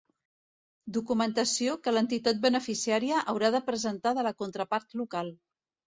Documentació que l'entitat beneficiària haurà de presentar de la contrapart local.